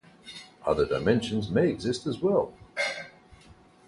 Other dimensions may exist as well.